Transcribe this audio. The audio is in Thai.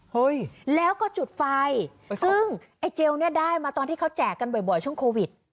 เฮ้ยแล้วก็จุดไฟซึ่งไอ้เจลเนี่ยได้มาตอนที่เขาแจกกันบ่อยช่วงโควิด